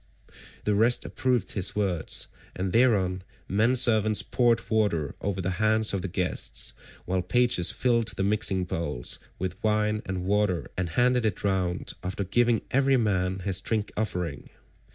The rest approved his words, and thereon men servants poured water over the hands of the guests, while pages filled the mixing bowls with wine and water and handed it round after giving every man his drink offering.